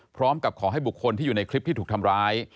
พร้อมกับขอให้บุคคลที่อยู่ในคลิปที่ถูกทำร้าย